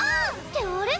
ってあれ？